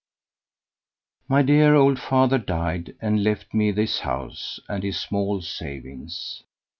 My dear old father died and left me this house and his small savings.